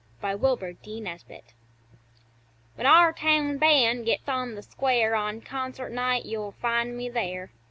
BY WILBUR D. NESBIT When our town band gets on the square On concert night you'll find me there.